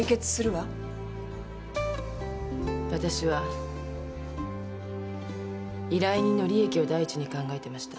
わたしは依頼人の利益を第一に考えてました。